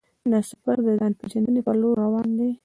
دا سفر د ځان پېژندنې پر لور روان دی.